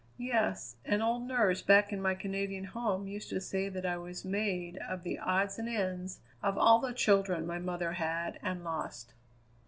"Yes; an old nurse back in my Canadian home used to say I was made of the odds and ends of all the children my mother had and lost."